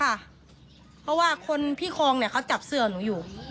เพราะว่าคนพี่คลองเนี่ยเขาจับเสื้อหนูอยู่